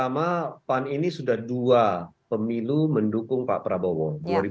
pertama pan ini sudah dua pemilu mendukung pak prabowo dua ribu empat belas dua ribu sembilan belas